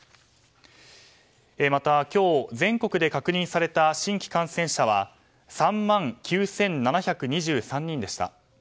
また、今日全国で確認された新規感染者は３万９７２３人でした。